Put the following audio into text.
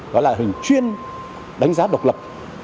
đó là hình chuyên đánh giá độc lập